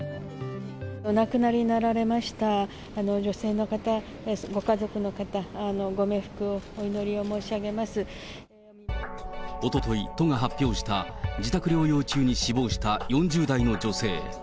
お亡くなりになられました女性の方、ご家族の方、おととい、都が発表した自宅療養中に死亡した４０代の女性。